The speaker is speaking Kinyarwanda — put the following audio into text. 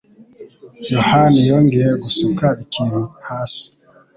Yohani yongeye gusuka ikintu hasi?